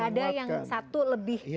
ada yang satu lebih